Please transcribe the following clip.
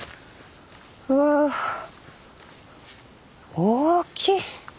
うわあ大きい！